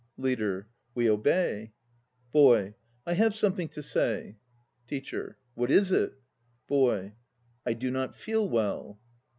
LEADER. We obey. BOY. I have something to say. TEACHER. What is it? BOY. I do not feel well.